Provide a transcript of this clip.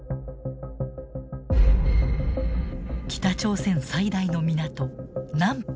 北朝鮮最大の港南浦。